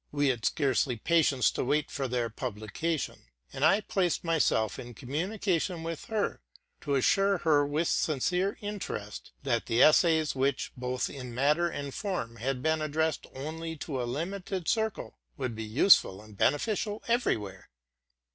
We had scarcely patience to wait for their publication ; and I placed myself in communication with her, to assure her, with sin cere interest, that the essays, which, both in matter and form, had been addressed only to a limited circle, would be useful and beneficial everywhere.